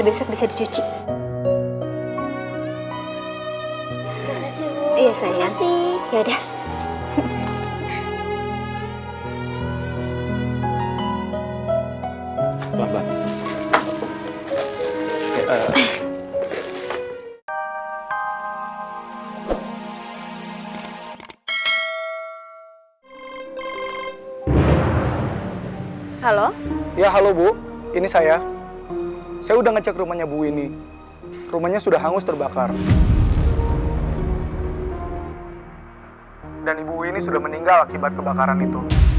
dan ibu ini sudah meninggal akibat kebakaran itu